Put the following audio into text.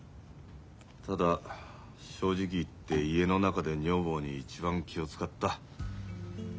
ただ正直言って家の中で女房に一番気を遣った。